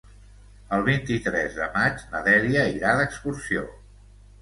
El vint-i-tres de maig na Dèlia irà d'excursió.